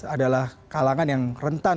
adalah kalangan yang rentan